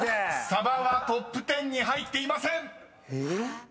［「サバ」はトップ１０に入っていません！］え？